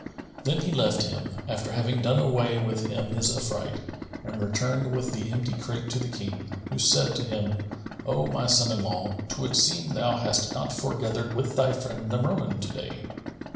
Then he left him, after having done away from him his affright, and returned with the empty crate to the King, who said to him, "O my son in law, 'twould seem thou hast not foregathered with thy friend the Merman to day."